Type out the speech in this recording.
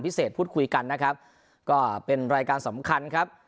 พูดคุยกันนะครับก็เป็นรายการสำคัญครับ